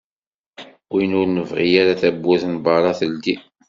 Win ur nebɣi ara tawwurt n berra teldi